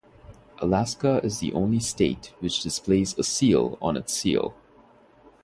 Alaska is the only state which displays a seal on its seal.